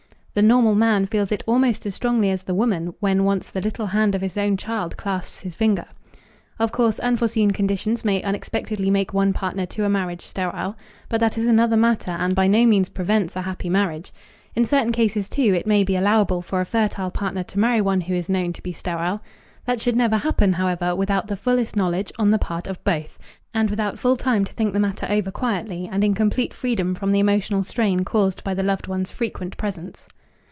The normal man feels it almost as strongly as the woman when once the little hand of his own child clasps his finger. Of course unforeseen conditions may unexpectedly make one partner to a marriage sterile, but that is another matter and by no means prevents a happy marriage. In certain cases, too, it may be allowable for a fertile partner to marry one who is known to be sterile. That should never happen, however, without the fullest knowledge on the part of both, and without full time to think the matter over quietly and in complete freedom from the emotional strain caused by the loved one's frequent presence.